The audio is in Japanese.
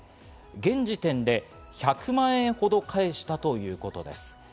現時点で１００万円ほど返したということです。